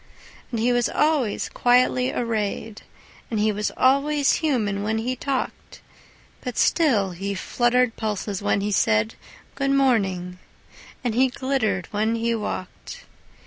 And he was always quietly arrayed, And he was always human when he talked; But still he fluttered pulses when he said, "Good morning," and he glittered when he walked.